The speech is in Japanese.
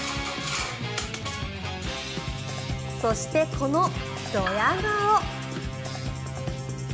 そして、このドヤ顔。